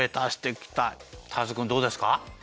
ターズくんどうですか？